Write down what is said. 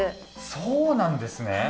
そうなんですね。